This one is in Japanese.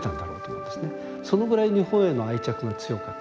そのぐらい日本への愛着が強かった。